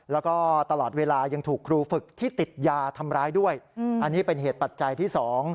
แล้วก็ตลอดเวลายังถูกครูฝึกที่ติดยาทำร้ายด้วยอันนี้เป็นเหตุปัจจัยที่๒